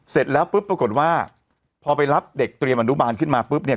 เสร็จแล้วปุ๊บปรากฏว่าพอไปรับเด็กเตรียมอนุบาลขึ้นมาปุ๊บเนี่ย